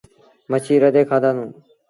مڇيٚ رڌي کآدآنڌون۔